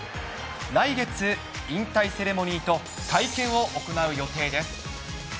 来月、引退セレモニーと会見を行う予定です。